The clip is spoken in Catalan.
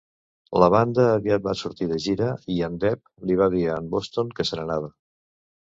La banda aviat va sortir de gira i en Delp li va dir a en Boston que se n'anava.